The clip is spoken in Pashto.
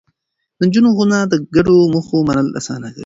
د نجونو ښوونه د ګډو موخو منل اسانه کوي.